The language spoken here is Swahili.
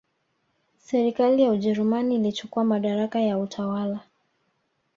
Serikali ya Ujerumani ilichukua madaraka ya utawala